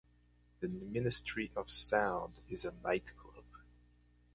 The Ministry of Sound is a nightclub.